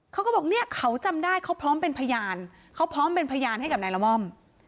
เขาก็บอกเนี่ยเขาจำได้เขาพร้อมเป็นพยานเขาพร้อมเป็นพยานให้กับนายละม่อม